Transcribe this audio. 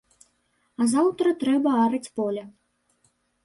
А заўтра трэба араць поле.